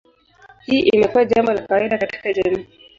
Hii imekuwa jambo la kawaida katika jamii.